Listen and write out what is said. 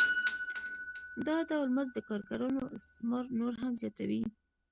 دا ډول مزد د کارګرانو استثمار نور هم زیاتوي